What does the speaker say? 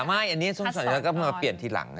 ไม่อันนี้ก็เป็นมาเปลี่ยนทีหลัง